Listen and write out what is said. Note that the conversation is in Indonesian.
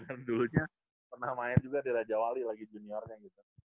yang dulunya pernah main juga di raja wali lagi juniornya gitu